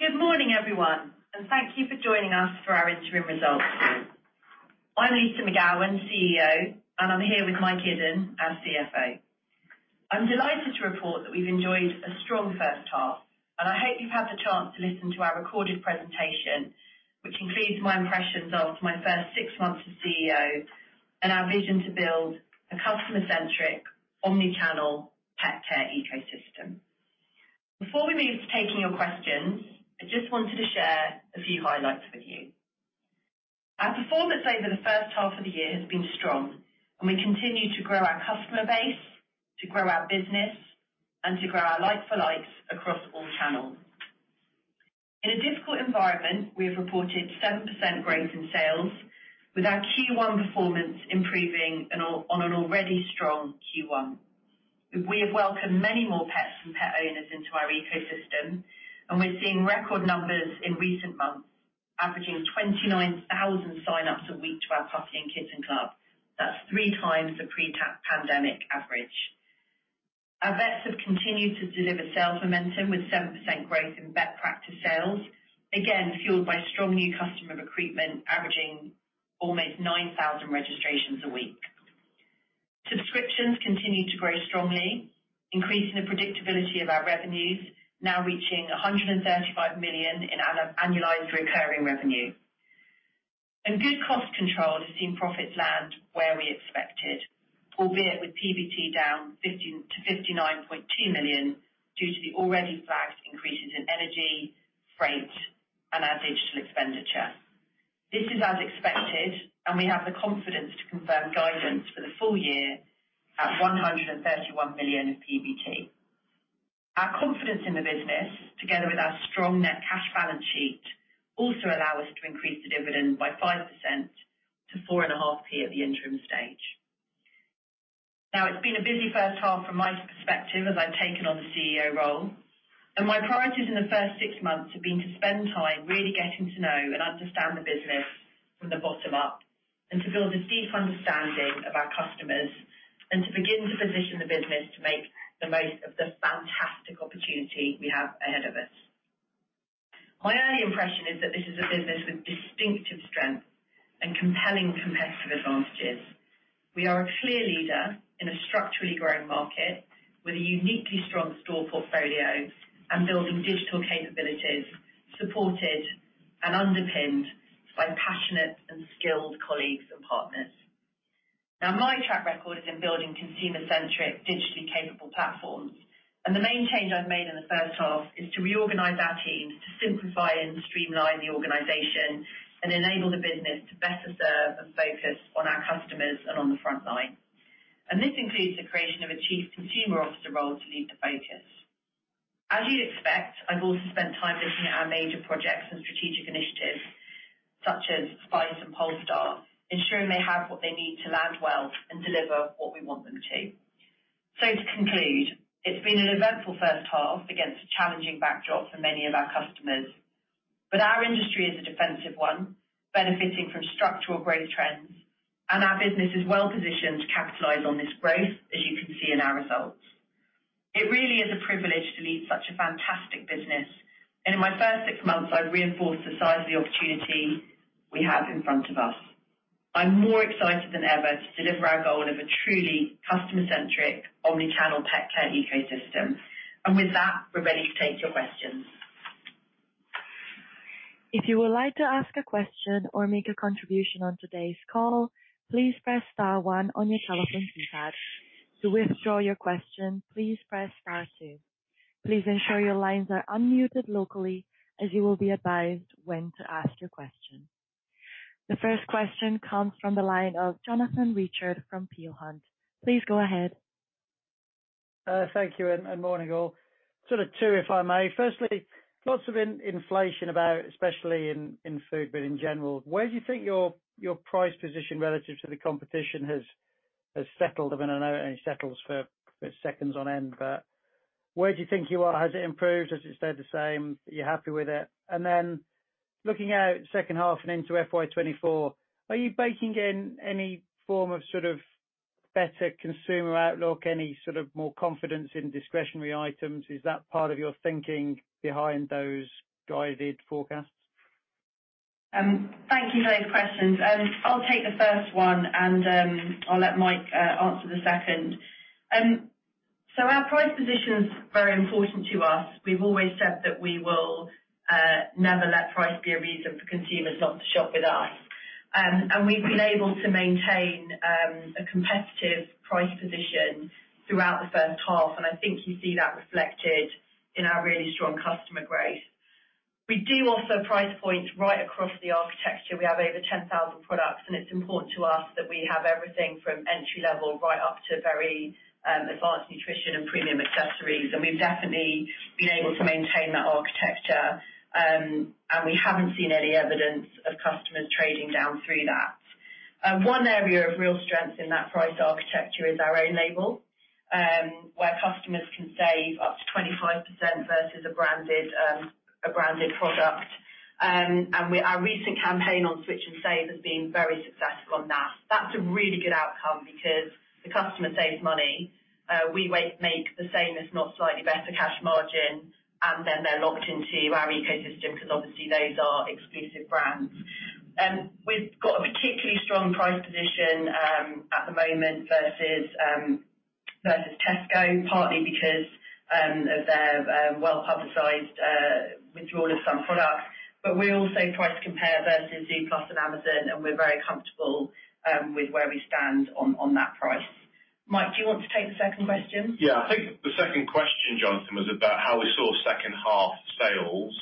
Good morning, everyone, and thank you for joining us for our interim results call. I'm Lyssa McGowan, CEO, and I'm here with Mike Iddon, our CFO. I'm delighted to report that we've enjoyed a strong first half, and I hope you've had the chance to listen to our recorded presentation, which includes my impressions after my first six months as CEO and our vision to build a customer-centric, omni-channel pet care ecosystem. Before we move to taking your questions, I just wanted to share a few highlights with you. Our performance over the first half of the year has been strong, and we continue to grow our customer base, to grow our business, and to grow our like-for-likes across all channels. In a difficult environment, we have reported 7% growth in sales, with our Q1 performance improving on an already strong Q1. We have welcomed many more pets and pet owners into our ecosystem, we're seeing record numbers in recent months, averaging 29,000 sign-ups a week to our Puppy & Kitten club. That's three times the pre-pandemic average. Our vets have continued to deliver sales momentum, with 7% growth in vet practice sales, again fueled by strong new customer recruitment, averaging almost 9,000 registrations a week. Subscriptions continued to grow strongly, increasing the predictability of our revenues, now reaching 135 million in annual recurring revenue. Good cost control has seen profits land where we expected, albeit with PBT down 50 million-59.2 million due to the already flagged increases in energy, freight, and our digital expenditure. This is as expected, we have the confidence to confirm guidance for the full-year at 131 million of PBT. Our confidence in the business, together with our strong net cash balance sheet, also allow us to increase the dividend by 5% to 4.5 at the interim stage. It's been a busy first half from my perspective as I've taken on the CEO role, and my priorities in the first six months have been to spend time really getting to know and understand the business from the bottom up and to build a deep understanding of our customers and to begin to position the business to make the most of the fantastic opportunity we have ahead of us. My early impression is that this is a business with distinctive strengths and compelling competitive advantages. We are a clear leader in a structurally growing market with a uniquely strong store portfolio and building digital capabilities supported and underpinned by passionate and skilled colleagues and partners. My track record is in building consumer-centric, digitally capable platforms, and the main change I've made in the first half is to reorganize our teams to simplify and streamline the organization and enable the business to better serve and focus on our customers and on the front line. This includes the creation of a Chief Consumer Officer role to lead the focus. As you'd expect, I've also spent time looking at our major projects and strategic initiatives such as Spice and Polestar, ensuring they have what they need to land well and deliver what we want them to. To conclude, it's been an eventful first half against a challenging backdrop for many of our customers. Our industry is a defensive one, benefiting from structural growth trends, and our business is well-positioned to capitalize on this growth, as you can see in our results. It really is a privilege to lead such a fantastic business, and in my first six months, I've reinforced the size of the opportunity we have in front of us. I'm more excited than ever to deliver our goal of a truly customer-centric, omni-channel pet care ecosystem. With that, we're ready to take your questions. If you would like to ask a question or make a contribution on today's call, please press star one on your telephone keypad. To withdraw your question, please press star two. Please ensure your lines are unmuted locally as you will be advised when to ask your question. The first question comes from the line of Jonathan Pritchard from Peel Hunt. Please go ahead. Thank you and morning all. Sort of two, if I may. Firstly, lots of in-inflation about, especially in food, but in general. Where do you think your price position relative to the competition has settled? I mean, I know it only settles for seconds on end, but where do you think you are? Has it improved? Has it stayed the same? Are you happy with it? Looking out second half and into FY 2024, are you baking in any form of sort of better consumer outlook, any sort of more confidence in discretionary items? Is that part of your thinking behind those guided forecasts? Thank you for those questions. I'll take the first one and I'll let Mike answer the second. Our price position is very important to us. We've always said that we will never let price be a reason for consumers not to shop with us. We've been able to maintain a competitive price position throughout the first half, and I think you see that reflected in our really strong customer growth. We do offer price points right across the architecture. We have over 10,000 products, and it's important to us that we have everything from entry level right up to very Advanced Nutrition and premium accessories. We've definitely been able to maintain that architecture, we haven't seen any evidence of customers trading down through that. One area of real strength in that price architecture is our own label, where customers can save up to 25% versus a branded product. Our recent campaign on Switch and Save has been very successful on that. That's a really good outcome because the customer saves money. We make the same, if not slightly better cash margin, and then they're locked into our ecosystem because obviously those are exclusive brands. We've got a particularly strong price position at the moment versus Tesco, partly because of their well-publicized withdrawal of some products. We also price compare versus Zooplus and Amazon, and we're very comfortable with where we stand on that price. Mike, do you want to take the second question? Yeah. I think the second question, Jonathan, was about how we saw second half sales,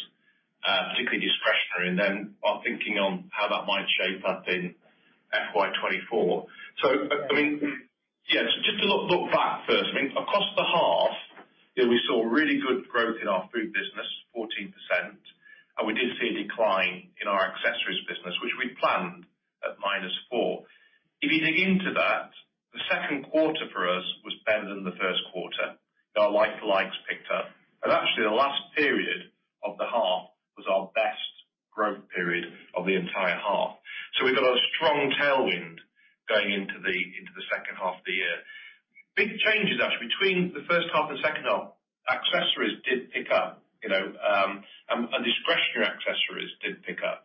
particularly discretionary, and then our thinking on how that might shape up in FY 2024. I mean, yes, just to look back first. I mean, across the half, you know, we saw really good growth in our food business, 14%. We did see a decline in our accessories business, which we planned at -4%. If you dig into that, the second quarter for us was better than the first quarter. Our like-for-likes picked up. Actually, the last period of the half was our best growth period of the entire half. We've got a strong tailwind going into the, into the second half of the year. Big changes actually between the first half and second half. Accessories did pick up, you know, and discretionary accessories did pick up.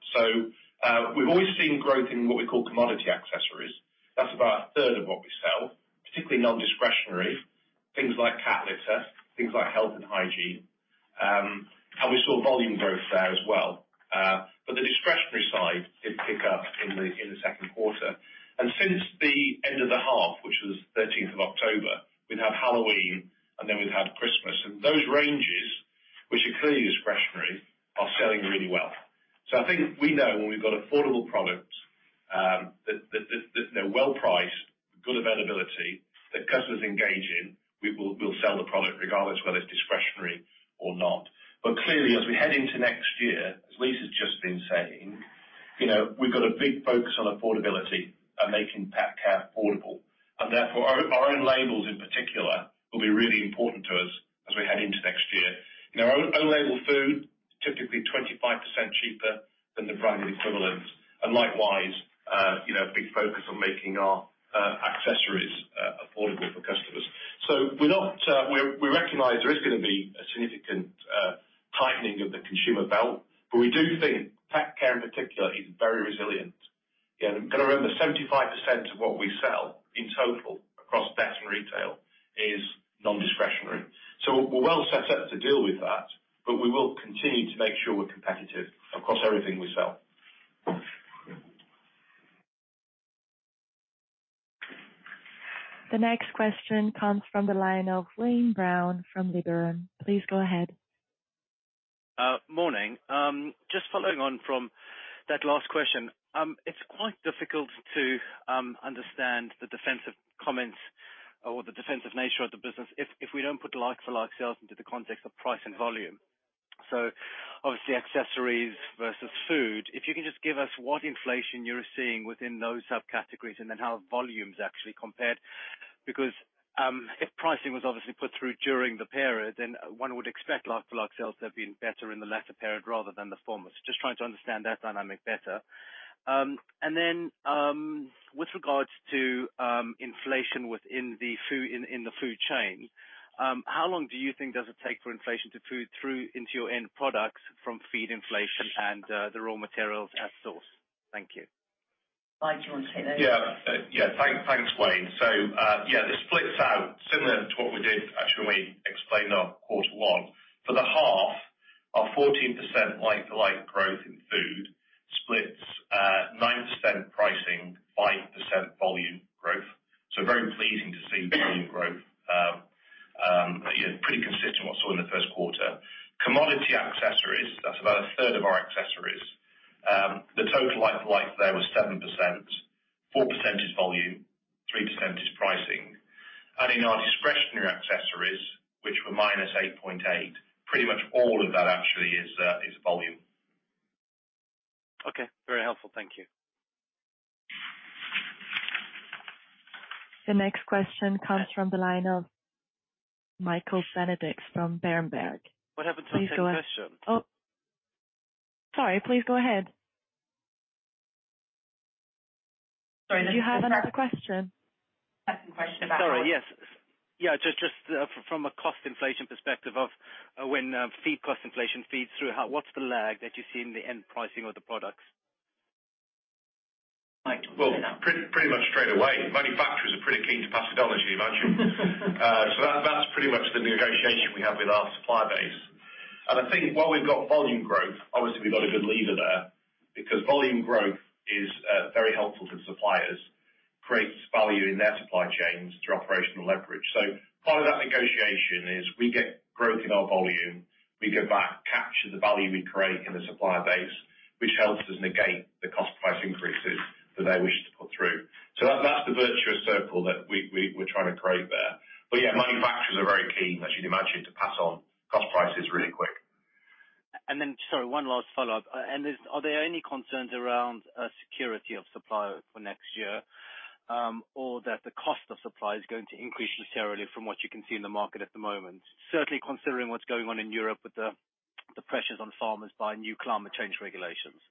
We've always seen growth in what we call commodity accessories. That's about a third of what we sell, particularly non-discretionary, things like cat litter, things like health and hygiene. And we saw volume growth there as well. But the discretionary side did pick up in the second quarter. Since the end of the half, which was 13th of October, we've had Halloween, and then we've had Christmas. Those ranges, which are clearly discretionary, are selling really well. I think we know when we've got affordable products, that, you know, well-priced, good availability, that customers engage in, we'll sell the product regardless of whether it's discretionary or not. Clearly, as we head into next year, as Lyssa's just been saying, you know, we've got a big focus on affordability and making pet care affordable. Therefore our own label in particular will be really important to us as we head into next year. a significant tightening of the consumer belt, we do think pet care in particular is very resilient. You know, got to remember 75% of what we sell in total across pet and retail is non-discretionary. We're well set up to deal with that, we will continue to make sure we're competitive across everything we sell. The next question comes from the line of Wayne Brown from Liberum. Please go ahead. Morning. Just following on from that last question, it's quite difficult to understand the defensive comments or the defensive nature of the business if we don't put like-for-like sales into the context of price and volume. Obviously, accessories versus food. If you can just give us what inflation you're seeing within those subcategories and then how volume's actually compared. If pricing was obviously put through during the period, then one would expect like-for-like sales to have been better in the latter period rather than the former. Just trying to understand that dynamic better. And then, with regards to inflation within the food chain, how long do you think does it take for inflation to food through into your end products from feed inflation and the raw materials at source? Thank you. Mike, do you want to take those? Thanks, Wayne. This splits out similar to what we did actually when we explained our quarter one. For the half, our 14% like-for-like growth in food splits 9% pricing, 5% volume growth. Very pleasing to see volume growth. You know, pretty consistent what we saw in the first quarter. Commodity accessories, that's about a third of our accessories. The total like-for-like there was 7%. 4% is volume, 3% is pricing. In our discretionary accessories, which were -8.8%, pretty much all of that actually is volume. Okay. Very helpful. Thank you. The next question comes from the line of Michael Benedict from Berenberg. Please go. What happened to the second question? Oh, sorry. Please go ahead. Do you have another question? Second question about. Sorry, yes. Yeah, just from a cost inflation perspective of when feed cost inflation feeds through, what's the lag that you see in the end pricing of the products? Mike, do you want to take that? Well, pretty much straight away. Manufacturers are pretty keen to pass it on, as you imagine. So that's pretty much the negotiation we have with our supplier base. I think while we've got volume growth, obviously we've got a good lever there because volume growth is very helpful to suppliers, creates value in their supply chains through operational leverage. Part of that negotiation is we get growth in our volume, we go back, capture the value we create in the supplier base, which helps us negate the cost price increases that they wish to put through. That's the virtuous circle that we're trying to create there. Yeah, manufacturers are very keen, as you'd imagine, to pass on cost prices really quick. Sorry, one last follow-up. Are there any concerns around security of supply for next year? Or that the cost of supply is going to increase necessarily from what you can see in the market at the moment, certainly considering what's going on in Europe with the pressures on farmers by new climate change regulations.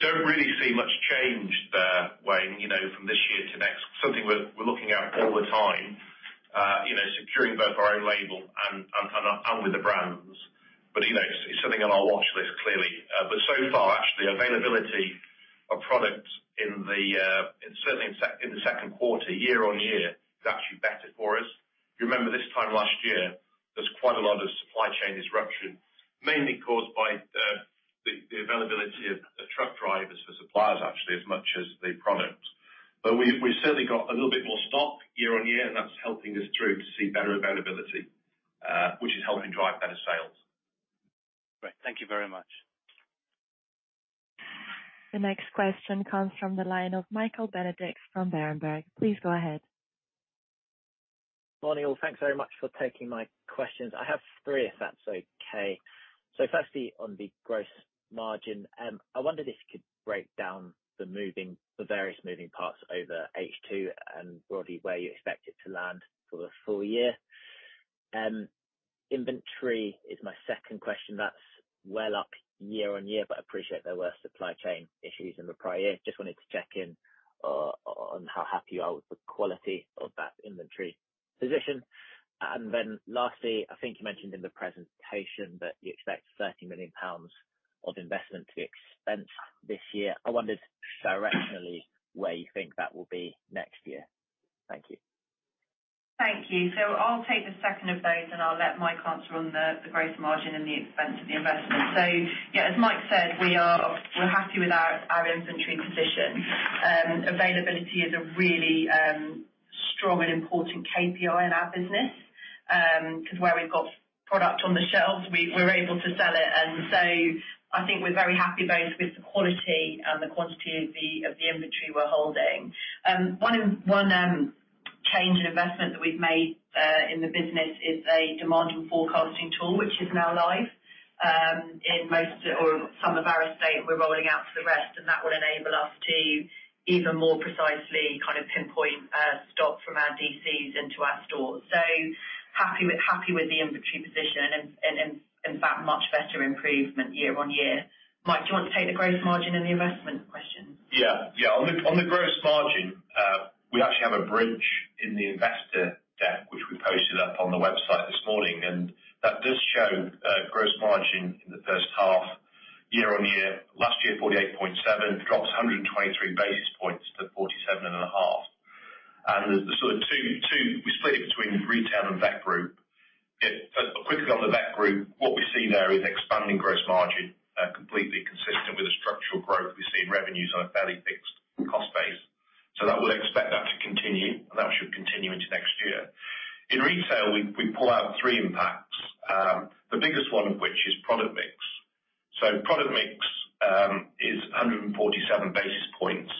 Don't really see much change there, Wayne, you know, from this year to next. Something we're looking at all the time, you know, securing both our own label and with the brands. You know, it's something on our watch list, clearly. So far, actually, availability of product in the, certainly in the second quarter year-over-year is actually better for us. If you remember this time last year, there was quite a lot of supply chain disruption, mainly caused by the availability of the truck drivers for suppliers actually, as much as the product. We've certainly got a little bit more stock year-over-year, and that's helping us through to see better availability, which is helping drive better sales. Great. Thank you very much. The next question comes from the line of Michael Benedict from Berenberg. Please go ahead. Morning, all. Thanks very much for taking my questions. I have three if that's okay. Firstly, on the gross margin, I wondered if you could break down the various moving parts over H2 and broadly where you expect it to land for the full-year. Inventory is my second question. That's well up year-on-year, but I appreciate there were supply chain issues in the prior year. Just wanted to check in on how happy you are with the quality of that inventory position. Lastly, I think you mentioned in the presentation that you expect 30 million pounds of investment to be expensed this year. I wondered directionally where you think that will be next year. Thank you. Thank you. I'll take the second of those, and I'll let Mike answer on the growth margin and the expense of the investment. Yeah, as Mike said, we're happy with our inventory position. Availability is a really strong and important KPI in our business, 'cause where we've got product on the shelves, we're able to sell it. I think we're very happy both with the quality and the quantity of the inventory we're holding. One change in investment that we've made in the business is a demand and forecasting tool, which is now live in most or some of our estate we're rolling out to the rest, and that will enable us to even more precisely kind of pinpoint stock from our DCs into our stores. Happy with the inventory position and that much better improvement year on year. Mike, do you want to take the gross margin and the investment question? Yeah. Yeah. On the gross margin, we actually have a bridge in the investor deck, which we posted up on the website this morning. That does show gross margin in the first half year-over-year. Last year, 48.7%. It drops 123 basis points to 47.5%. The sort of two we split it between retail and vet group. Yeah. Quickly on the vet group, what we see there is expanding gross margin, completely consistent with the structural growth. We've seen revenues on a fairly fixed cost base. That, we'll expect that to continue, and that should continue into next year. In retail, we pull out three impacts. The biggest one of which is product mix. Product mix is 147 basis points.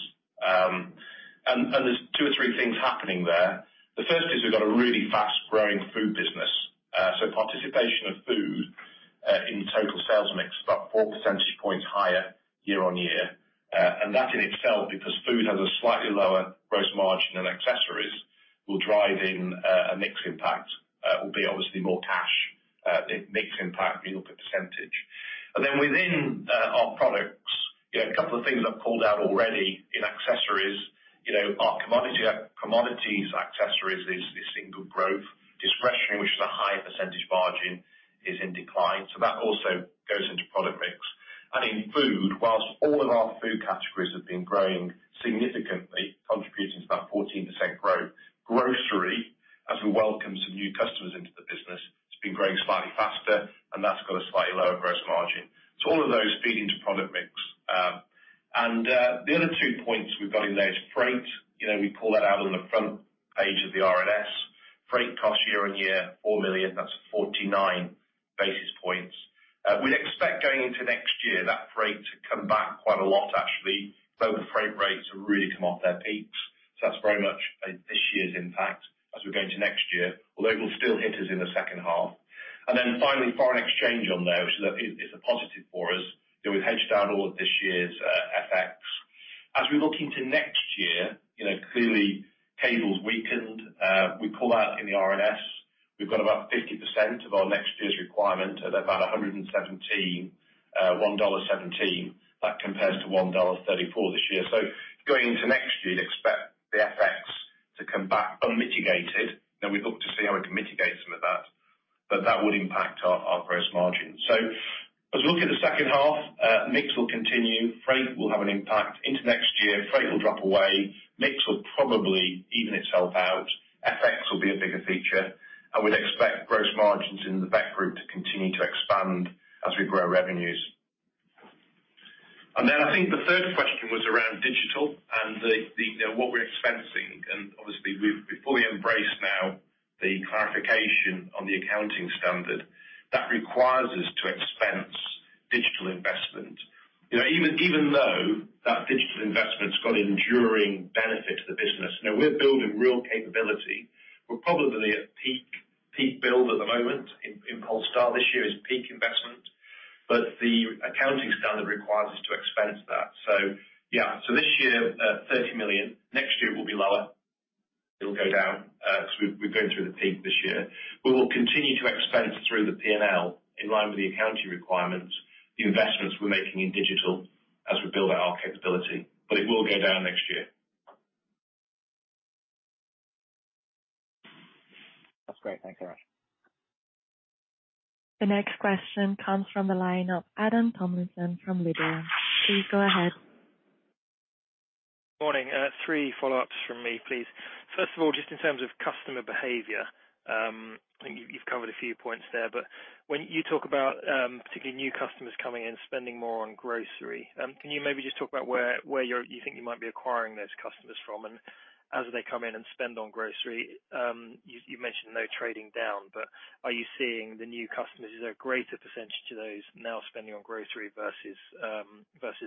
There's two or three things happening there. The first is we've got a really fast growing food business. So participation of food in total sales mix, about 4 percentage points higher year on year. That in itself, because food has a slightly lower gross margin than accessories, will drive in a mix impact. Will be obviously more cash, mix impact when you look at percentage. Then within our products, you know, a couple of things I've called out already in accessories, you know, our commodities accessories is seeing good growth. Discretionary, which is a higher percentage margin, is in decline, so that also goes into product mix. In food, whilst all of our food categories have been growing significantly, contributing even itself out. FX will be a bigger feature. We'd expect gross margins in the vet group to continue to expand as we grow revenues. I think the third question was around digital and the, you know, what we're expensing. Obviously we've fully embraced now the clarification on the accounting standard that requires us to expense digital investment. You know, even though that digital investment's got enduring benefit to the business, you know, we're building real capability. We're probably at peak build at the moment in Polestar. This year is peak investment. The accounting standard requires us to expense that. Yeah. This year, 30 million, next year will be lower. It'll go down because we're going through the peak this year. We will continue to expense through the P&L in line with the accounting requirements, the investments we're making in digital as we build out our capability, but it will go down next year. That's great. Thanks very much. The next question comes from the line of Adam Tomlinson from Liberum. Please go ahead. Morning. Three follow-ups from me, please. First of all, just in terms of customer behavior, I think you've covered a few points there, but when you talk about particularly new customers coming in, spending more on grocery, can you maybe just talk about where you think you might be acquiring those customers from, and as they come in and spend on grocery, you mentioned no trading down, but are you seeing the new customers? Is there a greater percentage to those now spending on grocery versus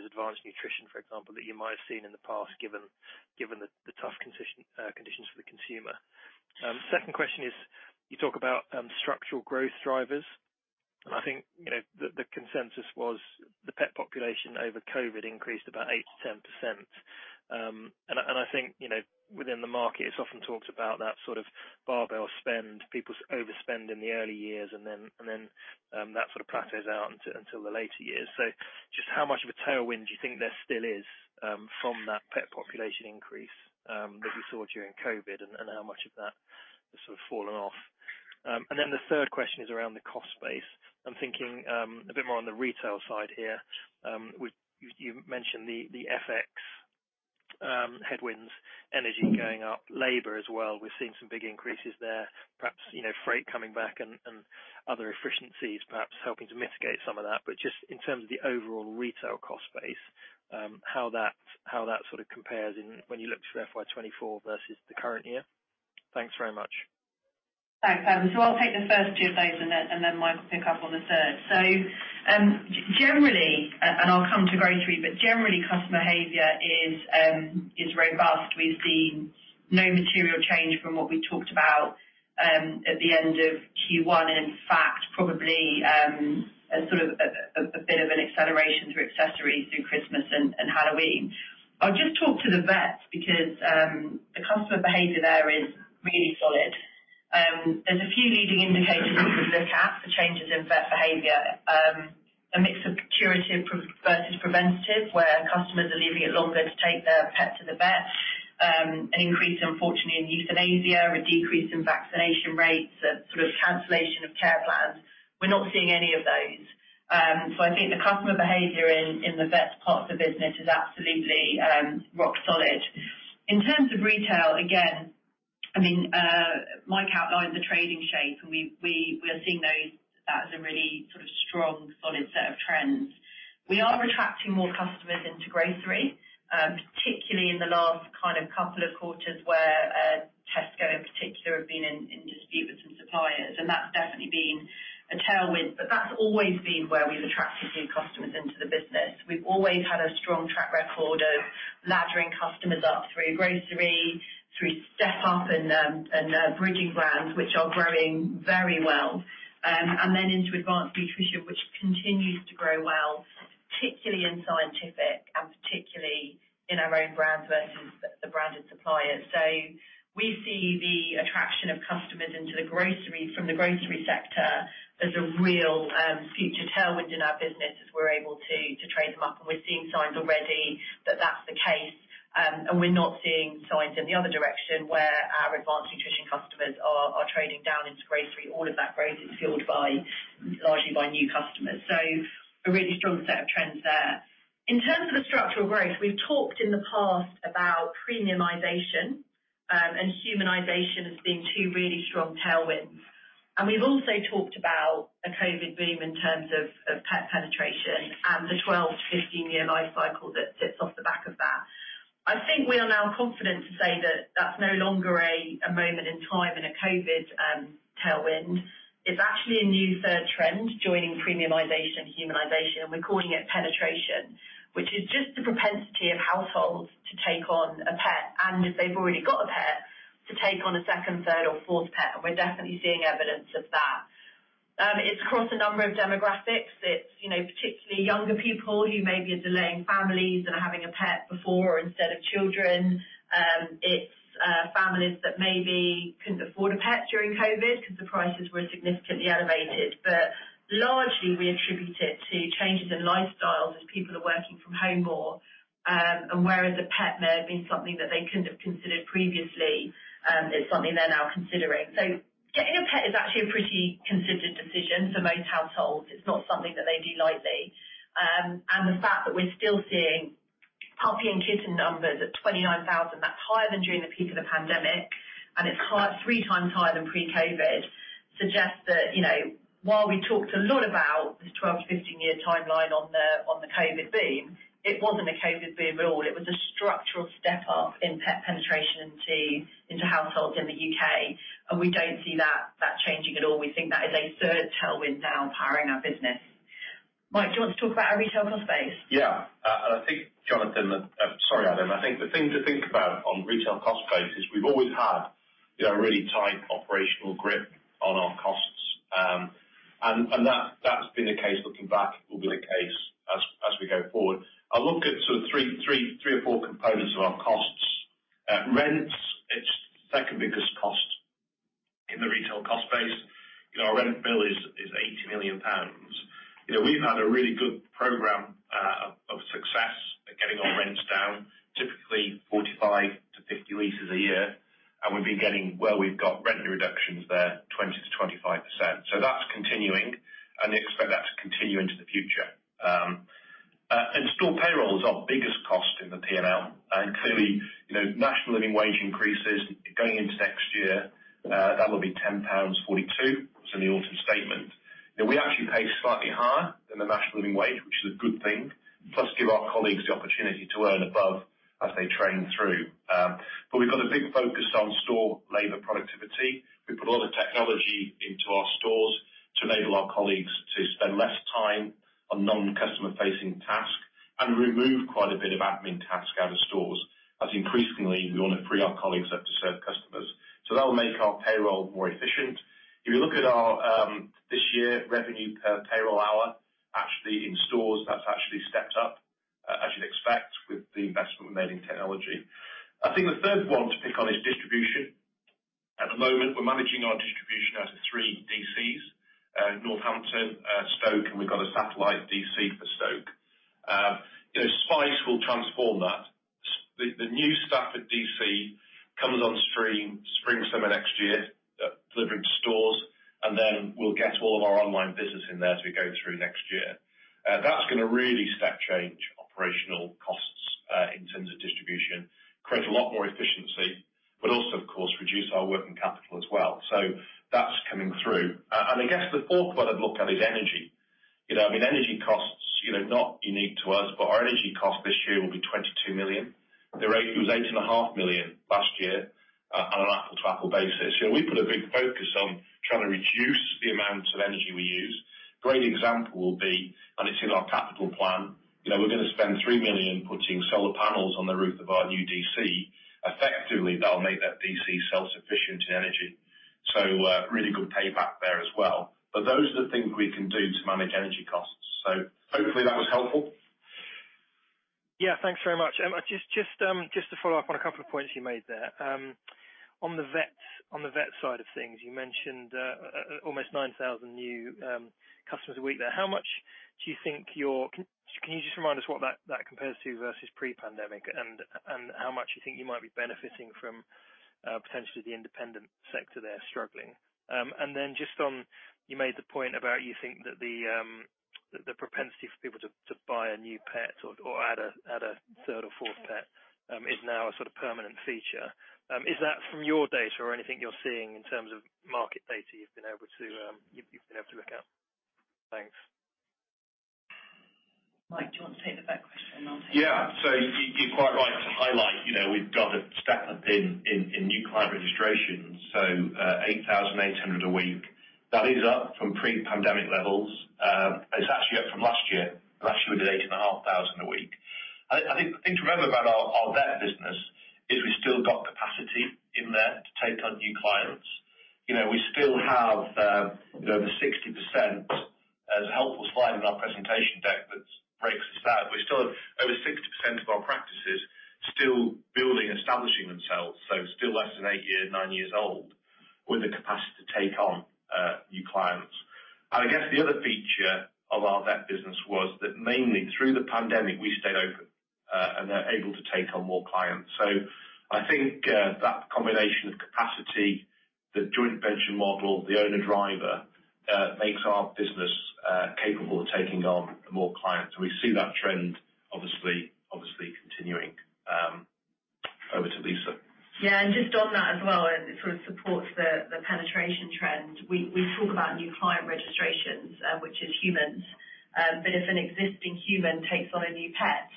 Advanced Nutrition, for example, that you might have seen in the past, given the tough conditions for the consumer? Second question is, you talk about structural growth drivers, I think, you know, the consensus was the pet population over COVID increased about 8%-10%. I think, you know, within the market, it's often talked about that sort of barbell spend, people overspend in the early years and then that sort of plateaus out until the later years. Just how much of a tailwind do you think there still is from that pet population increase that you saw during COVID and how much of that has sort of fallen off? The third question is around the cost base. I'm thinking a bit more on the retail side here. You mentioned the FX headwinds, energy going up, labor as well. We've seen some big increases there. Perhaps, you know, freight coming back and other efficiencies perhaps helping to mitigate some of that, but just in terms of the overall retail cost base, how that sort of compares in when you look to FY 2024 versus the current year. Thanks very much. Thanks. I'll take the first two of those and then Mike will pick up on the third. Generally, and I'll come to grocery, generally customer behavior is robust. We've seen no material change from what we talked about at the end of Q1. In fact, probably a sort of a bit of an acceleration through accessories through Christmas and Halloween. I'll just talk to the vets because the customer behavior there is really solid. There's a few leading indicators we can look at for changes in vet behavior. A mix of curative care versus preventative, where customers are leaving it longer to take their pet to the vet. An increase, unfortunately, in euthanasia, a decrease in vaccination rates, a sort of cancellation of care plans. We're not seeing any of those. I think the customer behavior in the vet part of the business is absolutely rock solid. In terms of retail, again, I mean, Mike outlined the trading shape and we are seeing those. That is a really sort of strong, solid set of trends. We are attracting more customers into grocery, particularly in the last kind of couple of quarters, where Tesco in particular have been in dispute with some suppliers. That's definitely been a tailwind, but that's always been where we've attracted new customers into the business. We've always had a strong track record of laddering customers up through grocery, through step up and bridging brands, which are growing very well, and then into Advanced Nutrition, which continues to grow well, particularly in scientific and particularly in our own brands versus the branded suppliers. We see the attraction of customers into the grocery from the grocery sector as a real future tailwind in our business as we're able to trade them up. We're seeing signs already that that's the case, and we're not seeing signs in the other direction where our Advanced Nutrition customers are trading down into grocery. All of that growth is fueled by, largely by new customers. A really strong set of trends there. In terms of the structural growth, we've talked in the past about premiumization, and humanization as being two really strong tailwinds. We've also talked about a COVID boom in terms of pet penetration and the 12 to 15-year life cycle that sits off the back of that. I think we are now confident to say that that's no longer a moment in time and a COVID tailwind. It's actually a new third trend joining premiumization, humanization, and we're calling it penetration, which is just the propensity of households to take on a pet. If they've already got a pet, to take on a second, third or fourth pet. We're definitely seeing evidence of that. It's across a number of demographics. It's, you know, particularly younger people who maybe are delaying families and are having a pet before or instead of children. It's families that maybe couldn't afford a pet during COVID because the prices were significantly elevated. Largely, we attribute it to changes in lifestyles as people are working from home more. Whereas a pet may have been something that they couldn't have considered previously, it's something they're now considering. Getting a pet is actually a pretty considered decision for most households. It's not something that they do lightly. The fact that we're still seeing puppy and kitten numbers at 29,000, that's higher than during the peak of the pandemic, and it's high, three times higher than pre-COVID, suggests that, you know, while we talked a lot about this 12-15 year timeline on the COVID boom, it wasn't a COVID boom at all. It was a structural step up in pet penetration into households in the U.K.. We don't see that changing at all. We think that is a third tailwind now powering our business. Mike, do you want to talk about our retail cost base? Yeah. I think Jonathan, sorry, Adam, I think the thing to think about on retail cost base is we've always had, we are really tight operational grip on our costs. That's been the case looking back, will be the case as we go forward. I look at sort of three or four components of our costs. Rents, it's the second biggest cost in the retail cost base. Our rent bill is 80 million pounds. You know, we've had a really good program, of success at getting our rents down, typically 45-50 leases a year. We've been getting where we've got rent reductions there 20%-25%. That's continuing, and we expect that to continue into the future. Store payroll is our biggest cost in the P&L. Clearly, you know, National Living Wage increases going into next year, that will be 10.42 pounds, it's in the Autumn Statement. You know, we actually pay slightly higher than the National Living Wage, which is a good thing. Plus, give our colleagues the opportunity to earn above as they train through. We've got a big focus on store labor productivity. We put a lot of technology into our stores to enable our colleagues to spend less time on non-customer facing tasks and remove quite a bit of admin task out of stores, as increasingly we want to free our colleagues up to serve customers. That will make our payroll more efficient. If you look at our, this year revenue per payroll hour, actually in stores, that's actually stepped up, as you'd expect with the investment we made in technology. I think the third one to pick on is distribution. At the moment, we're managing our distribution out of three DCs, Northampton, Stoke, and we've got a satellite DC for Stoke. You know, Spice will transform that. The new staff at DC comes on stream spring, summer next year, delivering to stores, and then we'll get all of our online business in there as we go through next year. That's gonna really step change operational costs, in terms of distribution, create a lot more efficiency, but also, of course, reduce our working capital as well. That's coming through. I guess the fourth one I'd look at is energy. You know, I mean, energy costs, you know, not unique to us, but our energy cost this year will be 22 million. It was 8.5 million last year on an apple-to-apple basis. You know, we put a big focus on trying to reduce the amount of energy we use. Great example will be, and it's in our capital plan, you know, we're gonna spend 3 million putting solar panels on the roof of our new DC. Effectively, that'll make that DC self-sufficient in energy. Really good payback there as well. Those are the things we can do to manage energy costs. Hopefully that was helpful. Yeah, thanks very much. Just to follow up on a couple of points you made there. On the vet side of things, you mentioned almost 9,000 new customers a week there. Can you just remind us what that compares to versus pre-pandemic and how much you think you might be benefiting from potentially the independent sector there struggling? Just on, you made the point about you think that the propensity for people to buy a new pet or add a third or fourth pet is now a sort of permanent feature. Is that from your data or anything you're seeing in terms of market data you've been able to look at? Thanks. Mike, do you want to take the vet question? Yeah. You, you're quite right to highlight, you know, we've got a step up in new client registrations, so, 8,800 a week. That is up from pre-pandemic levels. It's actually up from last year. Last year, we did 8,500 a week. I think the thing to remember about our vet business is we still got capacity in there to take on new clients. You know, we still have, you know, over 60%. There's a helpful slide in our presentation deck that breaks this out. We still have over 60% of our practices still building, establishing themselves, so still less than eight years, nine years old, with the capacity to take on new clients. I guess the other feature of our vet business was that mainly through the pandemic, we stayed open, and they're able to take on more clients. I think that combination of capacity, the joint venture model, the owner-driver, makes our business capable of taking on more clients. We see that trend, obviously continuing. Over to Lyssa. Yeah. Just on that as well, it sort of supports the penetration trend. We talk about new client registrations, which is humans. If an existing human takes on a new pet,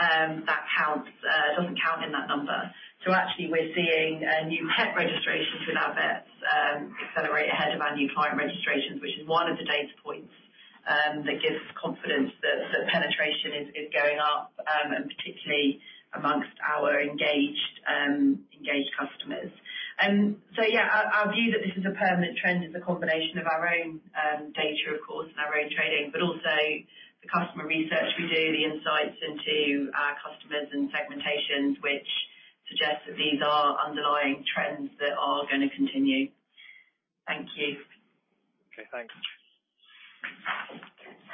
that counts, doesn't count in that number. Actually we're seeing new pet registrations with our vets accelerate ahead of our new client registrations, which is one of the data points that gives confidence that penetration is going up, and particularly amongst our engaged customers. Yeah, our view that this is a permanent trend is a combination of our own data of course and our own trading, but also the customer research we do, the insights into our customers and segmentations, which suggests that these are underlying trends that are gonna continue. Thank you. Okay, thanks.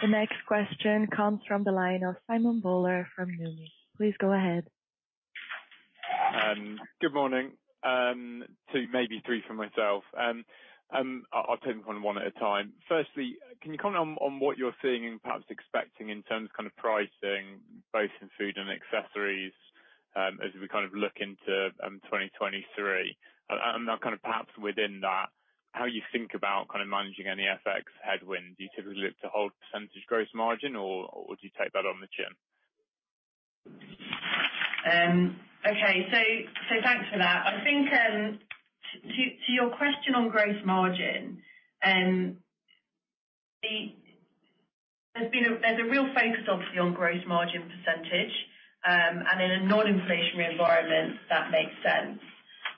The next question comes from the line of Simon Bowler from Numis. Please go ahead. Good morning. Two, maybe three for myself. I'll take them one at a time. Firstly, can you comment on what you're seeing and perhaps expecting in terms of kind of pricing both in food and accessories, as we kind of look into 2023? Kind of perhaps within that, how you think about kind of managing any FX headwinds. Do you typically look to hold percentage gross margin or do you take that on the chin? Okay. Thanks for that. I think, to your question on gross margin, there's a real focus obviously on gross margin percentage. In a non-inflationary environment that makes sense.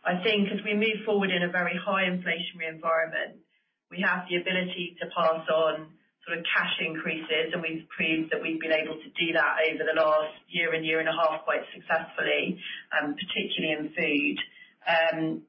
I think as we move forward in a very high inflationary environment, we have the ability to pass on sort of cash increases, and we've proved that we've been able to do that over the last year and year and a half quite successfully, particularly in food,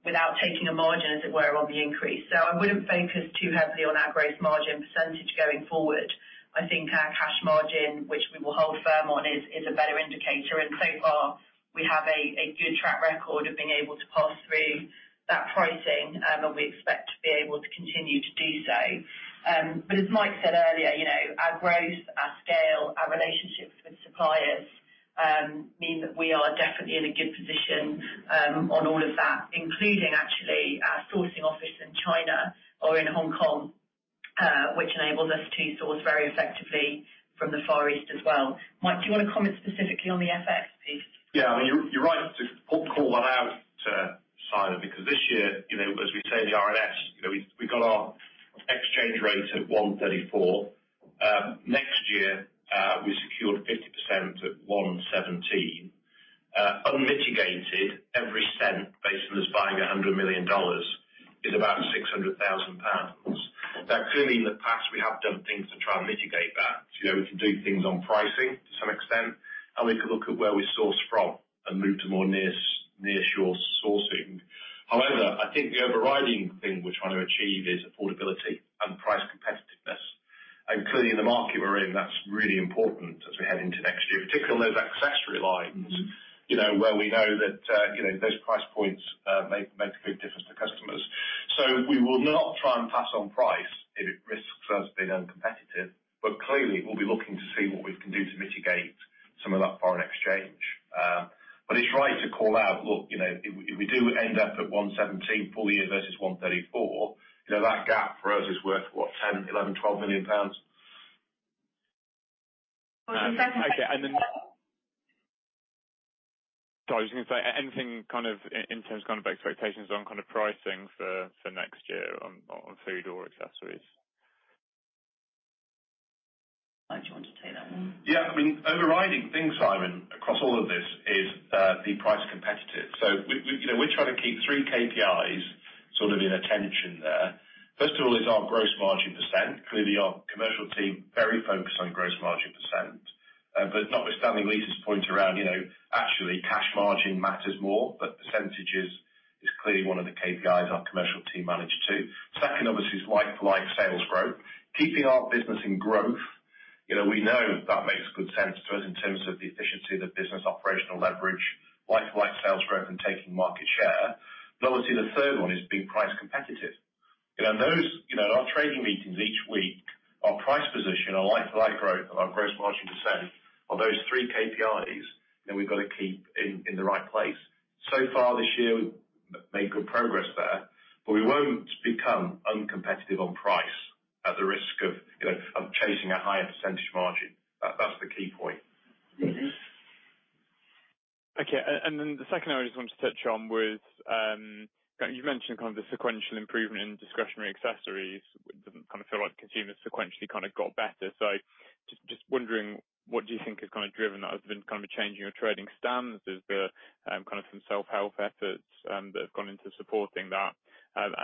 without taking a margin, as it were, on the increase. I wouldn't focus too heavily on our gross margin percentage going forward. I think our cash margin, which we will hold firm on, is a better indicator. So far, we have a good track record of being able to pass through that pricing, and we expect to be able to continue to do so. As Mike said earlier, you know, our growth, our scale, our relationships with suppliers mean that we are definitely in a good position on all of that, including actually our sourcing office in China or in Hong Kong, which enables us to source very effectively from the Far East as well. Mike, do you wanna comment specifically on the FX please? Yeah. I mean, you're right to call that out, Simon, because this year, you know, as we say in the RNS, you know, we've got our exchange rate at 1.34. Next year, we secured 50% at 1.17. Unmitigated every cent based on us buying $100 million is about 600,000 pounds. Clearly in the past we have done things to try and mitigate that. You know, we can do things on pricing to some extent, and we can look at where we source from and move to more near shore sourcing. I think the overriding thing we're trying to achieve is affordability and price competitiveness. Clearly in the market we're in, that's really important as we head into next year, particularly on those accessory lines, you know, where we know that, you know, those price points make a big difference to customers. We will not try and pass on price if it risks us being uncompetitive, but clearly we'll be looking to see what we can do to mitigate some of that foreign exchange. It's right to call out. Look, you know, if we do end up at 1.17 full-year versus 1.34, you know, that gap for us is worth, what, 10 million, 11 million, 12 million pounds. Well, in the sense that- Okay. Sorry, I was gonna say anything kind of in terms of kind of expectations on kind of pricing for next year on food or accessories? Mike, do you want to take that one? I mean, overriding thing, Simon, across all of this is being price competitive. We, you know, we're trying to keep three KPIs sort of in attention there. First of all is our gross margin percent. Clearly, our commercial team very focused on gross margin percent. Notwithstanding Lyssa's point around, you know, actually cash margin matters more, but percentages is clearly one of the KPIs our commercial team manage too. Second, obviously, is like-for-like sales growth. Keeping our business in growth, you know, we know that makes good sense to us in terms of the efficiency of the business operational leverage, like-for-like sales growth and taking market share. Obviously the third one is being price competitive. You know, those, you know, our trading meetings each week, our price position, our like-for-like growth and our gross margin percent are those three KPIs. You know, we've gotta keep in the right place. So far this year, we've made good progress there, but we won't become uncompetitive on price at the risk of, you know, of chasing a higher percentage margin. That's the key point. Mm-hmm. Okay. The second I just wanted to touch on was, you've mentioned kind of the sequential improvement in discretionary accessories. It doesn't kind of feel like consumers sequentially kind of got better. Just wondering what do you think has kind of driven that other than kind of changing your trading stance? Is there kind of some self-help efforts that have gone into supporting that? Kind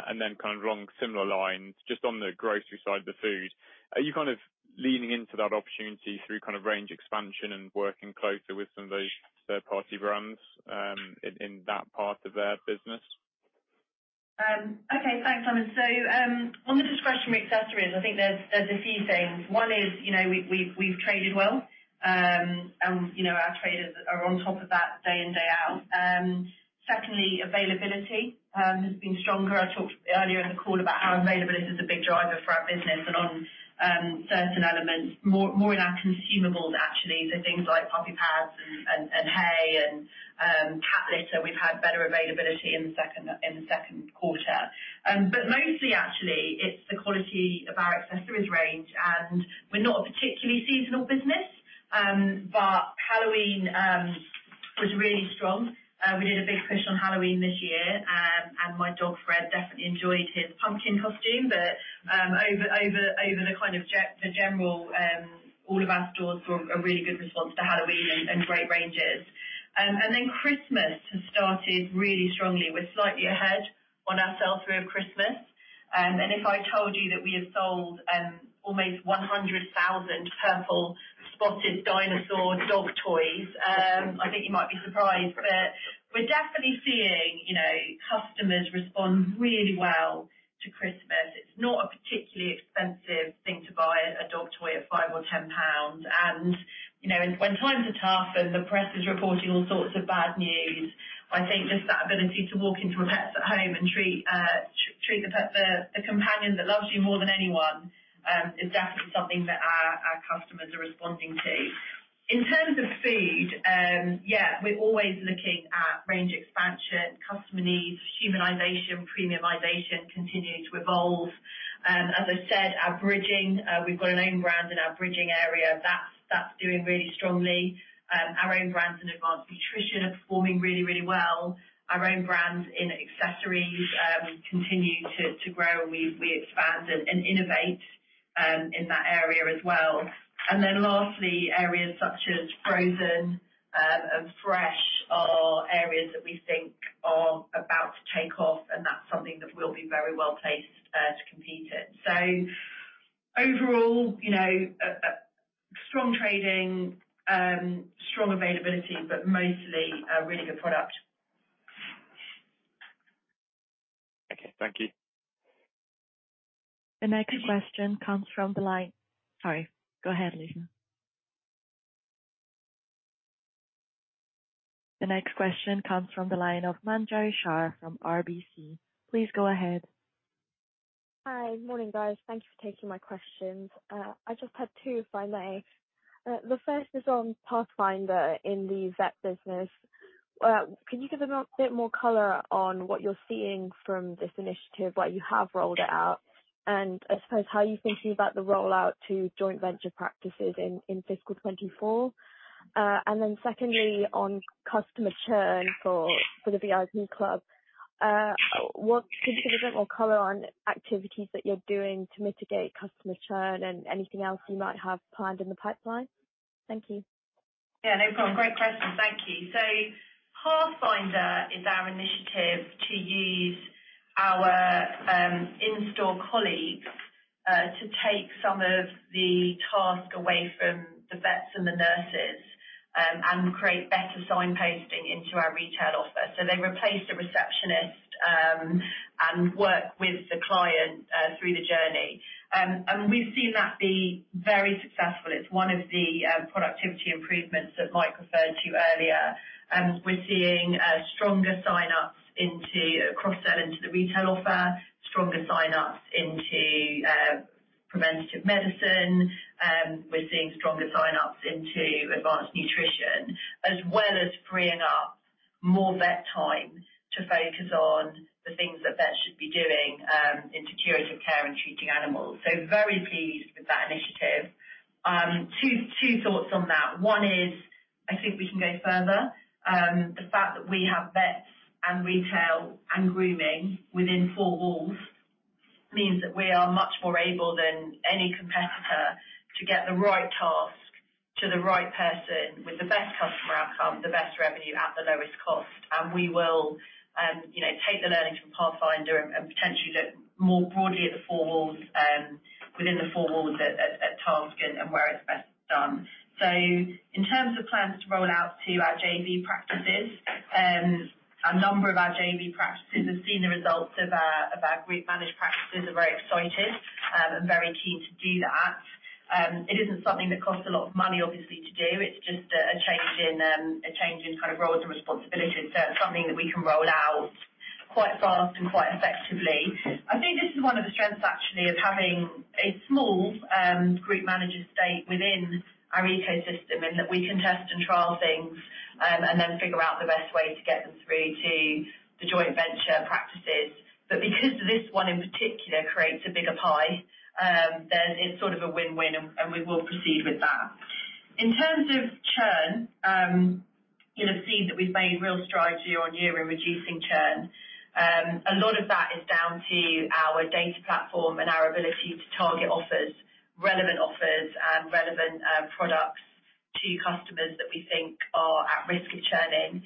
of along similar lines, just on the grocery side of the food, are you kind of leaning into that opportunity through kind of range expansion and working closer with some of those third-party brands, in that part of the business? Thanks, Simon. On the discretionary accessories, I think there's a few things. One is, you know, we've traded well, our traders are on top of that day in, day out. Secondly, availability has been stronger. I talked earlier in the call about how availability is a big driver for our business and on certain elements more in our consumables actually. Things like puppy pads and hay and cat litter, we've had better availability in the 2nd quarter. Mostly actually it's the quality of our accessories range, we're not a particularly seasonal business. Halloween was really strong. We did a big push on Halloween this year, my dog Fred definitely enjoyed his pumpkin costume. Over the kind of the general, all of our stores saw a really good response to Halloween and great ranges. Christmas has started really strongly. We're slightly ahead on our sell through of Christmas. I told you that we have sold almost 100,000 purple spotted dinosaur dog toys, I think you might be surprised. We're definitely seeing, you know, customers respond really well to Christmas. It's not a particularly expensive thing to buy a dog toy at 5 or 10 pounds. You know, when times are tough and the press is reporting all sorts of bad news, I think just that ability to walk into a Pets at Home and treat the pet, the companion that loves you more than anyone, is definitely something that our customers are responding to. In terms of food, yeah, we're always looking at range expansion, customer needs, humanization, premiumization continuing to evolve. As I said, our bridging, we've got an own brand in our bridging area. That's doing really strongly. Our own brands in Advanced Nutrition are performing really well. Our own brands in accessories continue to grow and we expand and innovate in that area as well. Lastly, areas such as frozen, and fresh are areas that we think are about to take off, and that's something that we'll be very well-placed to compete in. Overall, you know, a strong trading, strong availability, but mostly a really good product. Okay, thank you. Sorry, go ahead, Lyssa. The next question comes from the line of Manjari Dhar from RBC. Please go ahead. Hi. Morning, guys. Thank you for taking my questions. I just had two, if I may. The first is on Pathfinder in the vet business. Can you give a bit more color on what you're seeing from this initiative, where you have rolled it out, and I suppose how you're thinking about the rollout to joint venture practices in fiscal year 2024? Secondly, on customer churn for the VIP club, what can you give a bit more color on activities that you're doing to mitigate customer churn and anything else you might have planned in the pipeline? Thank you. Yeah, no problem. Great questions. Thank you. Pathfinder is our initiative to use our in-store colleagues to take some of the task away from the vets and the nurses and create better signposting into our retail offer. They replace the receptionist and work with the client through the journey. We've seen that be very successful. It's one of the productivity improvements that Mike referred to earlier. We're seeing stronger sign-ups into cross-sell into the retail offer, stronger sign-ups into preventative medicine. We're seeing stronger sign-ups into Advanced Nutrition, as well as freeing up more vet time to focus on the things that vets should be doing in curative care and treating animals. Very pleased with that initiative. two thoughts on that. One is, I think we can go further. The fact that we have vets and retail and grooming within four walls means that we are much more able than any competitor to get the right task to the right person with the best customer outcome, the best revenue at the lowest cost. We will, you know, take the learnings from Pathfinder and potentially look more broadly at the four walls, within the four walls at task and where it's best done. In terms of plans to roll out to our JV practices, a number of our JV practices have seen the results of our group managed practices, are very excited and very keen to do that. It isn't something that costs a lot of money obviously to do. It's just a change in a change in kind of roles and responsibilities, so it's something that we can roll out quite fast and quite effectively. I think this is one of the strengths actually of having a small group manager state within our ecosystem, in that we can test and trial things, and then figure out the best way to get them through to the joint venture practices. Because this one in particular creates a bigger pie, then it's sort of a win-win and we will proceed with that. In terms of churn, you'll have seen that we've made real strides year-on-year in reducing churn. A lot of that is down to our data platform and our ability to target offers, relevant offers and relevant products to customers that we think are at risk of churning.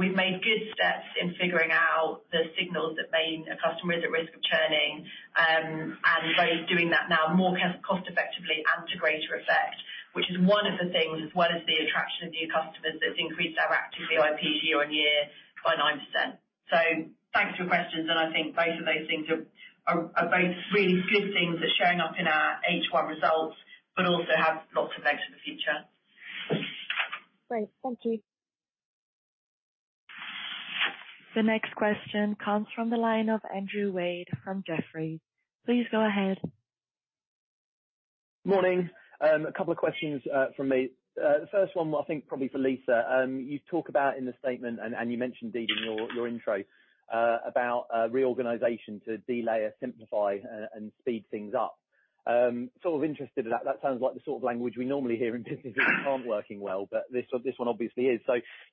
We've made good steps in figuring out the signals that mean a customer is at risk of churning, and both doing that now more cost effectively and to greater effect, which is one of the things, as well as the attraction of new customers, that's increased our active VIPs year-over-year by 9%. Thanks for your questions, and I think both of those things are both really good things that are showing up in our H1 results, but also have lots of legs for the future. Great. Thank you. The next question comes from the line of Andrew Wade from Jefferies. Please go ahead. Morning. A couple of questions from me. The first one I think probably for Lyssa. You talk about in the statement and you mentioned indeed in your intro, about a reorganization to de-layer, simplify and speed things up. Sort of interested in that. That sounds like the sort of language we normally hear in businesses that aren't working well, but this one obviously is.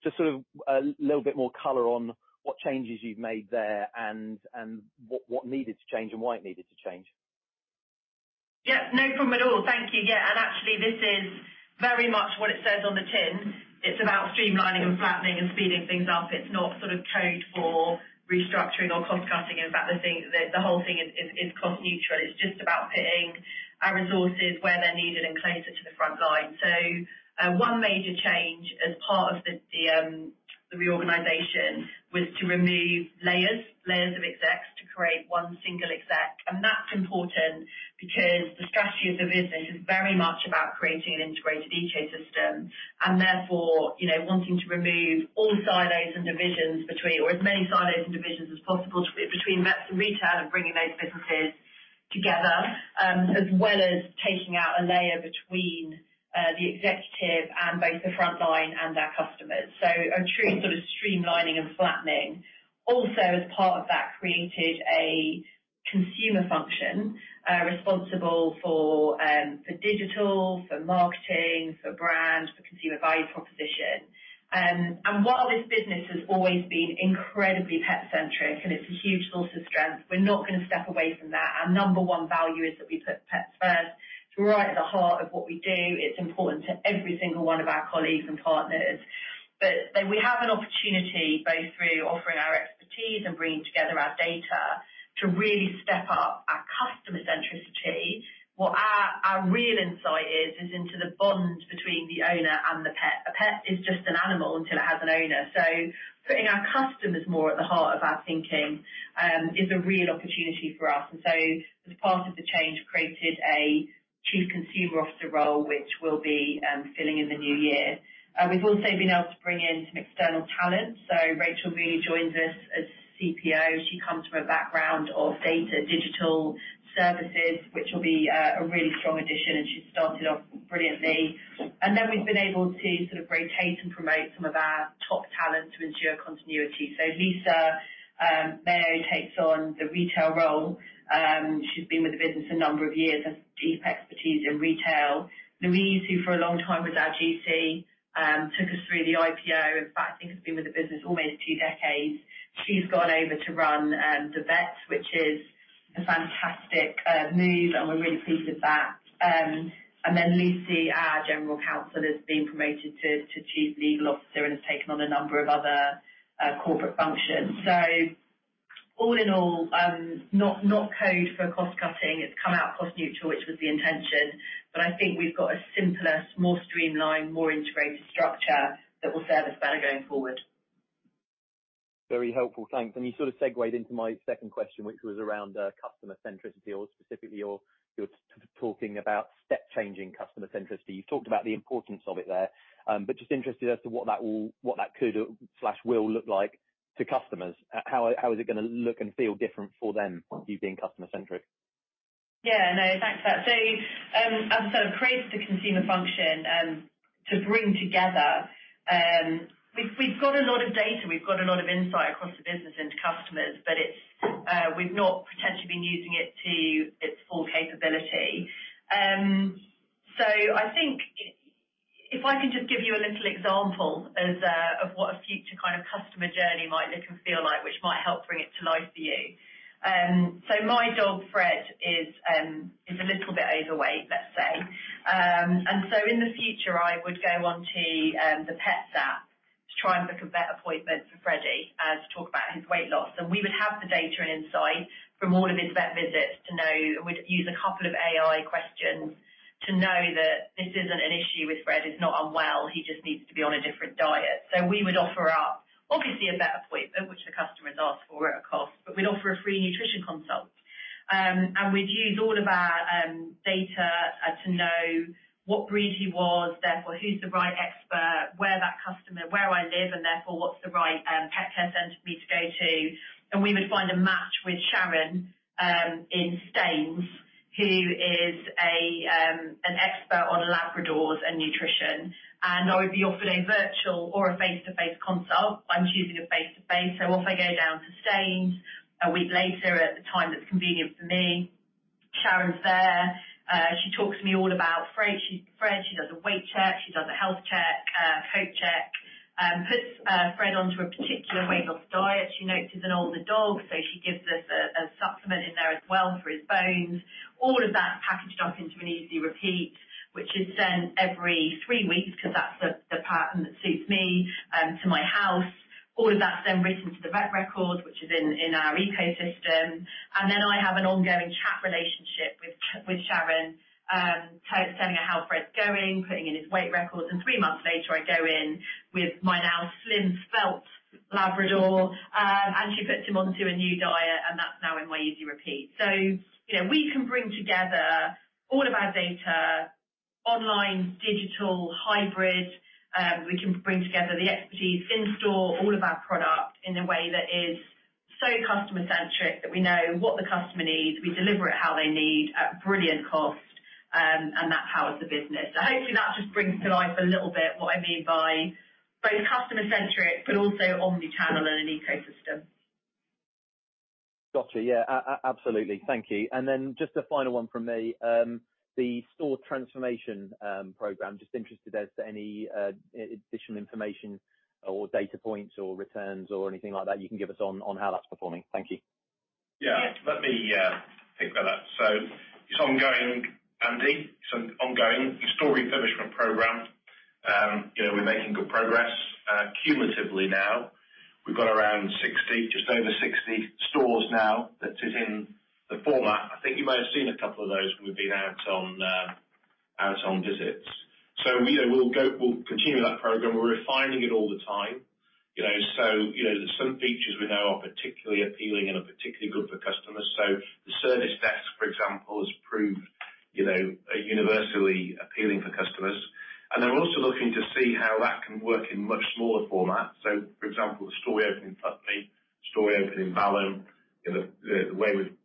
Just sort of a little bit more color on what changes you've made there and what needed to change and why it needed to change? Yeah, no problem at all. Thank you. Yeah. Actually this is very much what it says on the tin. It's about streamlining and flattening and speeding things up. It's not sort of code for restructuring or cost cutting. In fact, the whole thing is cost neutral. It's just about putting our resources where they're needed and closer to the front line. 1 major change as part of the reorganization was to remove layers of execs to create one single exec. That's important because the strategy of the business is very much about creating an integrated ecosystem and therefore, you know, wanting to remove all silos and divisions between or as many silos and divisions as possible between vets and retail and bringing those businesses together, as well as taking out a layer between the executive and both the front line and our customers. So a true sort of streamlining and flattening. As part of that, created a consumer function, responsible for digital, for marketing, for brand, for consumer value proposition. And while this business has always been incredibly pet-centric, and it's a huge source of strength, we're not gonna step away from that. Our number one value is that we put pets first. It's right at the heart of what we do. It's important to every single one of our colleagues and partners. We have an opportunity both through offering our expertise and bringing together our data to really step up our customer centricity. What our real insight is into the bond between the owner and the pet. A pet is just an animal until it has an owner. Putting our customers more at the heart of our thinking, is a real opportunity for us. As part of the change, we've created a Chief Consumer Officer role which we'll be filling in the new year. We've also been able to bring in some external talent. Rachel Mooney joins us as CPO. She comes from a background of data digital services, which will be a really strong addition, and she's started off brilliantly. We've been able to rotate and promote some of our top talent to ensure continuity. Lisa Miao takes on the retail role. She's been with the business a number of years, has deep expertise in retail. Louise, who for a long time was our GC, took us through the IPO. In fact, I think she's been with the business almost two decades. She's gone over to run the vet, which is a fantastic move, and we're really pleased with that. Lucy, our general counsel, has been promoted to Chief Legal Officer and has taken on a number of other corporate functions. All in all, not code for cost-cutting. It's come out cost neutral, which was the intention. I think we've got a simpler, more streamlined, more integrated structure that will serve us better going forward. Very helpful. Thanks. You sort of segued into my second question, which was around customer centricity or specifically your talking about step-changing customer centricity. You talked about the importance of it there, just interested as to what that could/will look like to customers. How is it gonna look and feel different for them, you being customer-centric? Yeah, no, thanks for that. As I said, I've created the consumer function, to bring together... We've got a lot of data, we've got a lot of insight across the business into customers, but it's, we've not potentially been using it to its full capability. I think if I can just give you a little example of what a future kind of customer journey might look and feel like, which might help bring it to life for you. My dog, Fred, is a little bit overweight, let's say. In the future, I would go on to, the pet's app to try and book a vet appointment for Freddie, to talk about his weight loss. We would have the data insight from all of his vet visits to know, we'd use two AI questions to know that this isn't an issue with Fred. He's not unwell, he just needs to be on a different diet. We would offer up, obviously, a vet appointment, which the customer has asked for at a cost, but we'd offer a free nutrition consult. We'd use all of our data to know what breed he was, therefore, who's the right expert, where I live, and therefore, what's the right pet care center for me to go to. We would find a match with Sharon in Staines, who is an expert on Labradors and nutrition. That would be offered a virtual or a face-to-face consult. I'm choosing a face-to-face. Off I go down to Staines a week later at the time that's convenient for me. Sharon's there. She talks to me all about Fred. She does a weight check, she does a health check, a coat check, puts Fred onto a particular weight loss diet. She knows he's an older dog, so she gives us a supplement in there as well for his bones. All of that's packaged up into an Easy Repeat, which is sent every three weeks 'cause that's the pattern that suits me to my house. All of that's then written to the vet record, which is in our ecosystem. I have an ongoing chat relationship with Sharon, telling her how Fred's going, putting in his weight records. Three months later, I go in with my now slim, svelte Labrador, and she puts him onto a new diet, and that's now in my Easy Repeat. You know, we can bring together all of our data online, digital, hybrid. We can bring together the expertise in-store, all of our product in a way that is so customer-centric that we know what the customer needs. We deliver it how they need at brilliant cost, and that powers the business. Hopefully, that just brings to life a little bit what I mean by both customer-centric, but also omni-channel and an ecosystem. Gotcha. Yeah. Absolutely. Thank you. Then just a final one from me. The store transformation program, just interested as to any additional information or data points or returns or anything like that you can give us on how that's performing. Thank you. Yeah. Let me take that up. It's ongoing, Andy. It's ongoing. The store refurbishment program, you know, we're making good progress. Cumulatively now, we've got around 60, just over 60 stores now that sit in the format. I think you may have seen a couple of those when we've been out on, out on visits. You know, we'll continue that program. We're refining it all the time. You know, you know, there's some features we know are particularly appealing and are particularly good for customers. The service desk, for example, has proved, you know, universally appealing for customers. We're also looking to see how that can work in much smaller formats. For example, the store we opened in Putney, the store we opened in Balham, you know, the way we've,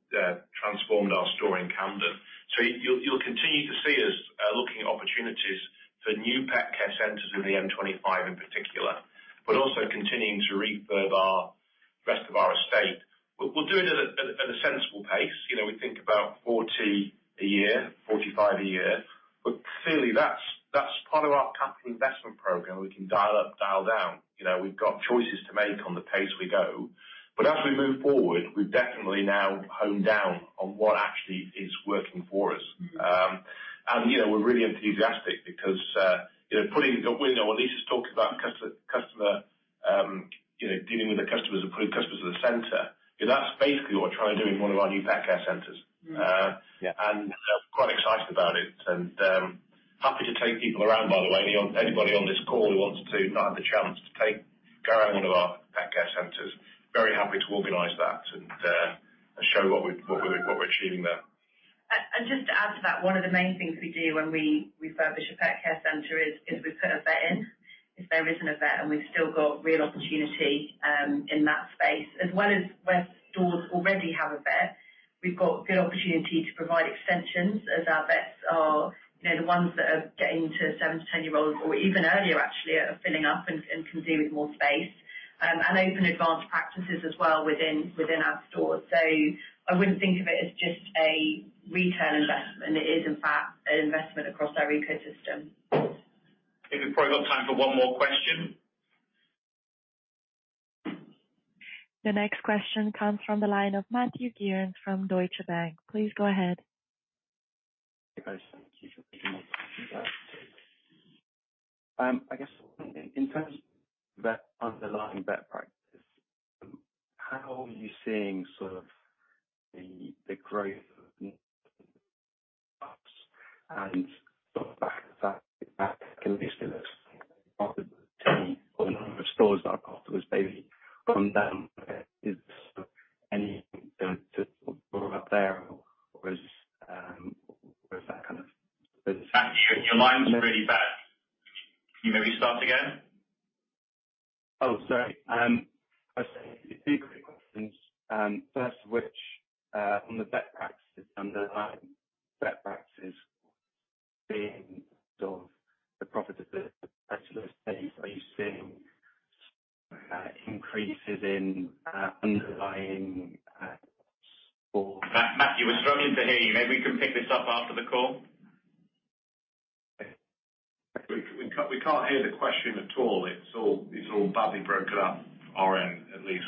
transformed our store in Camden. You'll continue to see us, looking at opportunities for new pet care centers in the M25 in particular, but also continuing to refurb our rest of our estate. We'll do it at a sensible pace. You know, we think about 40 a year, 45 a year. Clearly, that's part of our capital investment program. We can dial up, dial down. You know, we've got choices to make on the pace we go. As we move forward, we've definitely now honed down on what actually is working for us. And, you know, we're really enthusiastic because, you know, putting the window... What Lyssa's talked about, customer, you know, dealing with the customers or pre-customers of the center. That's basically what we're trying to do in one of our new pet care centers. Uh yeah, and quite excited about it. Happy to take people around, by the way. Anybody on this call who wants to have the chance to go around one of our pet care centers, very happy to organize that and show what we're achieving there. Just to add to that, one of the main things we do when we refurbish a pet care center is we put a vet in, if there isn't a vet and we've still got real opportunity in that space. As well as where stores already have a vet, we've got good opportunity to provide extensions, as our vets are, you know, the ones that are getting to seven to 10 years old, or even earlier actually, are filling up and can do with more space. And open advanced practices as well within our stores. I wouldn't think of it as just a retail investment. It is in fact an investment across our ecosystem. Think we've probably got time for one more question. The next question comes from the line of Matthew Garland from Deutsche Bank. Please go ahead. Hey, guys. Thank you for taking my questions. I guess in terms of underlying vet practice, how are you seeing sort of the growth of Matthew, your line's really bad. Can you maybe start again? Oh, sorry. I was saying two quick questions. First of which, on the JV practices, underlying JV practices being sort of the profit of the pet store space. Are you seeing increases in underlying. Matt, Matthew, we're struggling to hear you. Maybe we can pick this up after the call. We can't hear the question at all. It's all badly broken up from our end, at least.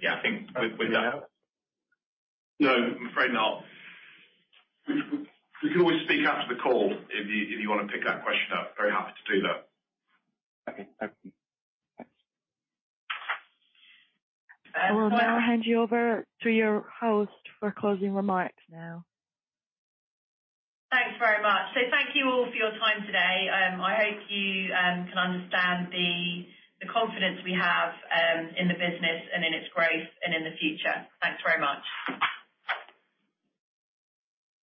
Yeah, I think we've- Can you hear me now? No, I'm afraid not. We can always speak after the call if you wanna pick that question up. Very happy to do that. Okay. Thank you. Thanks. I will now hand you over to your host for closing remarks now. Thanks very much. Thank you all for your time today. I hope you can understand the confidence we have in the business and in its growth and in the future. Thanks very much.